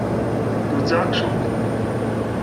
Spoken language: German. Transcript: Nun sag schon!